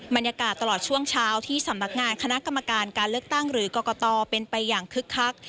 บรรยากาศตลอดช่วงเช้าที่สำนักงานคณะกรรมการการเลือกตั้งหรือกรกตเป็นไปอย่างคึกคัก